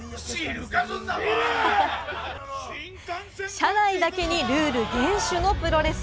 車内だけにルール厳守のプロレス。